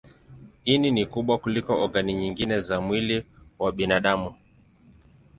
Ini ni kubwa kuliko ogani nyingine za mwili wa binadamu.